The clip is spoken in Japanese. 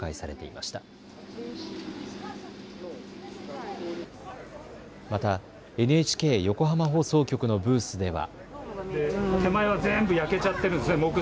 またＮＨＫ横浜放送局のブースでは。